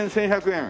１０００円？